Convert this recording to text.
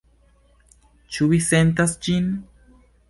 Ĉu vi sentas ĝin?